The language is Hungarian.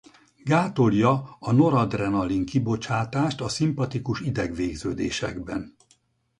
Gátolja a noradrenalin-kibocsátást a szimpatikus idegvégződésekben.